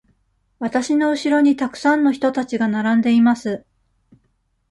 わたしのうしろにたくさんの人たちが並んでいます。